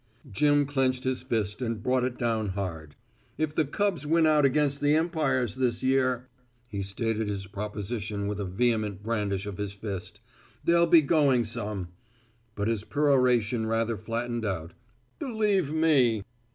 Jim clenched his fist and brought it down hard. "If the Cubs win out against the empires this year," he stated his proposition with a vehement brandish of his fist, "they'll be going some," but his peroration rather flattened out "believe me."